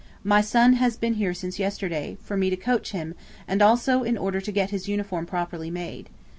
My son has been here since yesterday, for me to coach him and also in order to get his uniform properly made.